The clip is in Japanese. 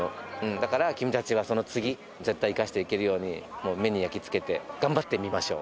だから君たちは、その次、絶対生かしていけるように、もう目に焼きつけて、頑張ってみましょう。